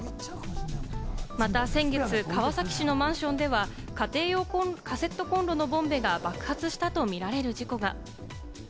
また先月、川崎市のマンションでは、家庭用カセットコンロのボンベが爆発したとみられる事故が。